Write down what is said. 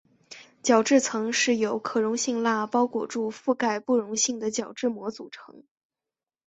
角质层是由可溶性蜡包裹覆盖不溶性的角质膜组成。